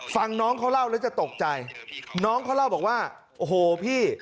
ฟังน้องเขาเล่าแล้วจะตกใจน้องเขาเล่าบอกว่าโอ้โหพี่